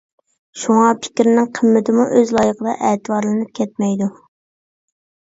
شۇڭا، پىكىرنىڭ قىممىتىمۇ ئۆز لايىقىدا ئەتىۋارلىنىپ كەتمەيدۇ.